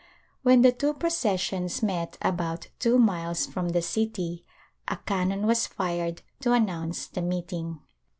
When the two processions met about two miles from the city a cannon was fired to announce the meeting.